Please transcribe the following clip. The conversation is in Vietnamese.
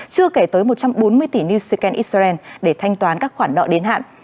chưa kể tới một trăm bốn mươi tỷ new second israel để thanh toán các khoản nợ đến hạn